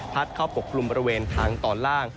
เข้าปกกลุ่มบริเวณทางตอนล่าง